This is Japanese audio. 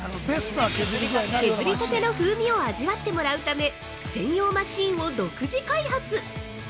◆削りたての風味を味わってもらうため、専用マシーンを独自開発！